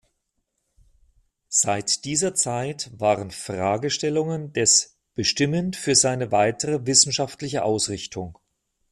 Seit dieser Zeit waren Fragestellungen des bestimmend für seine weitere wissenschaftliche Ausrichtung.